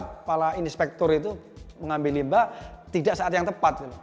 karena kadang kadang kepala inspektur itu mengambil limbah tidak saat yang tepat